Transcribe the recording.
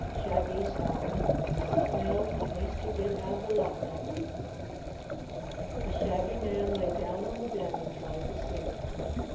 Shaggy sighed. Well, at least he did have the Love Magnet. The Shaggy Man lay down on the bed and tried to sleep.